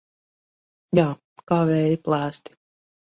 Jā, kā vēja plēsti.